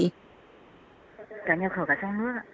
cả nhập khẩu cả sang nước ạ